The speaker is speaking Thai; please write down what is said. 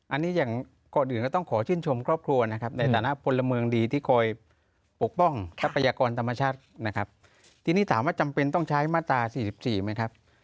อันนี้อย่างก่อนอื่นก็ต้องขอชื่นชมครอบครัวนะครับในฐานะพลเมืองดีที่คอยปกป้องทรัพยากรธรรมชาตินะครับทีนี้ถามว่าจำเป็นต้องใช้มาตรา๔๔ไหมครับ